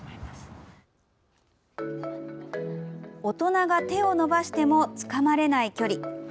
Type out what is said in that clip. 大人が手を伸ばしてもつかまれない距離。